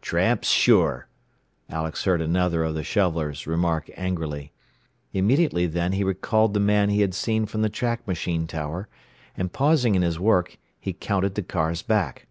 "Tramps, sure!" Alex heard another of the shovelers remark angrily. Immediately then he recalled the man he had seen from the track machine tower, and pausing in his work, he counted the cars back.